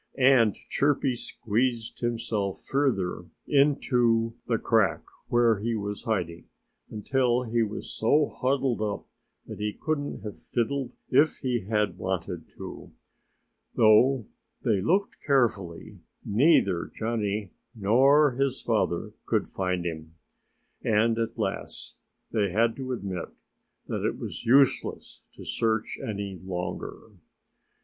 And Chirpy squeezed himself further into the crack where he was hiding until he was so huddled up that he couldn't have fiddled if he had wanted to. Though they looked carefully, neither Johnnie nor his father could find him. And at last they had to admit that it was useless to search any longer.